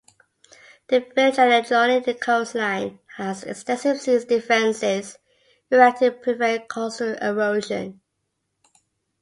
The village and adjoining coastline has extensive sea defences, erected to prevent coastal erosion.